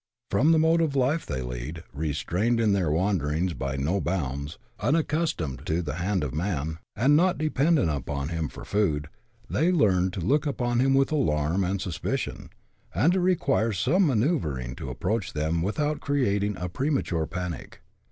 From the mode of life they lead, restrained in their wan derings by no bounds, unaccustomed to the hand of man, and not dependent upon him for food, they learn to look upon him with alarm and suspicion, and it requires some mancEuvring to approach them without creating a premature panic.